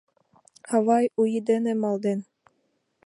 «Авай, У ий дене!» малден.